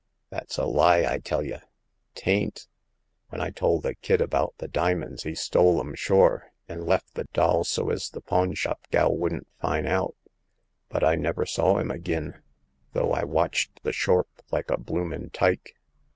" That's a lie, I tell y' !"*' 'Tain't ! When I tole the kid about the dimins he stole 'em sure, an' lef th' doll so es the pawn shop gal wouldn't fin' out. But I never saw 'im agin, though I watched the shorp like a bloomin' tyke.